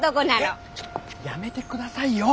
えっやめてくださいよ。